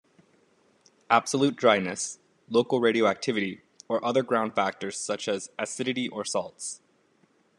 Absolute dryness, local radioactivity, or other ground factors such as acidity or salts.